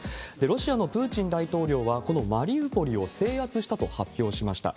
ロシアのプーチン大統領は、このマリウポリを制圧したと発表しました。